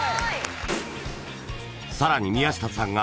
［さらに宮下さんが］